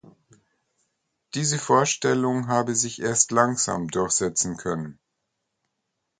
Diese Vorstellung habe sich erst langsam durchsetzen können.